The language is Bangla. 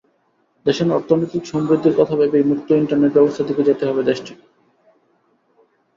দেশের অর্থনৈতিক সমৃদ্ধির কথা ভেবেই মুক্ত ইন্টারনেট-ব্যবস্থার দিকে যেতে হবে দেশটিকে।